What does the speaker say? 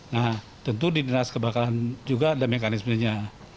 nah tentu di dinas kebakaran juga ada mekanisme nya